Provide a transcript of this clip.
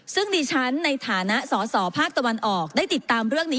ซึ่งดิฉันในฐานะสอสอภาคตะวันออกได้ติดตามเรื่องนี้